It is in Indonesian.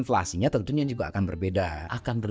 pasti kondisi isi perubsahan itu akan turun